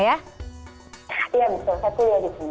iya betul saya kuliah di sini